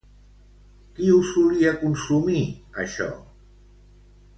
Qui ho solia consumir, això?